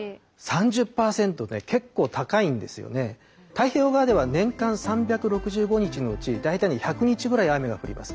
太平洋側では年間３６５日のうち大体１００日ぐらい雨が降ります。